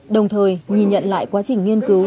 đồng thời nhìn nhận lại quá trình nghiên cứu